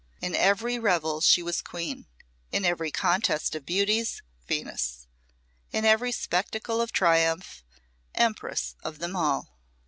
In every revel she was queen, in every contest of beauties Venus, in every spectacle of triumph empress of them all.